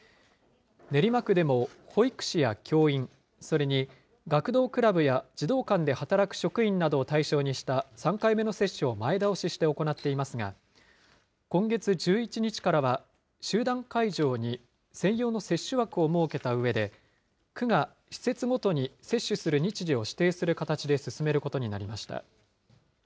練馬区でも、保育士や教員、それに学童クラブや児童館で働く職員などを対象にした３回目の接種を前倒しして行っていますが、今月１１日からは集団会場に専用の接種枠を設けたうえで、区が施設ごとに接種する日時を指定する形で進めることになりました。